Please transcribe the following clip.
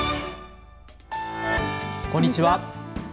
こんにちは。